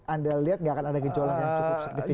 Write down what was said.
anda lihat gak akan ada gejala yang cukup signifikan